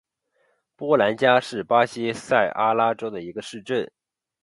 波兰加是巴西塞阿拉州的一个市镇。